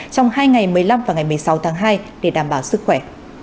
trong hai ngày một mươi năm và ngày một mươi sáu tháng hai để đảm bảo sức khỏe